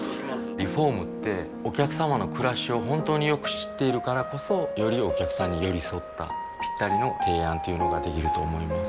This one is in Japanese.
リフォームってお客様の暮らしを本当によく知っているからこそよりお客様に寄り添ったぴったりの提案というのができると思います